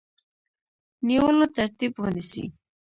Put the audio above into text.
نیولو ترتیب ونیسي.